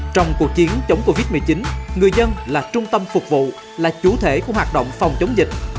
trong cuộc chiến chống covid một mươi chín người dân là trung tâm phục vụ là chủ thể của hoạt động phòng chống dịch